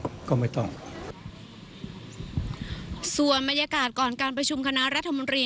ส่วนบริษัทก่อนการคณะพัฒนารัฐมนตรีอยากจะเอาในบ้าน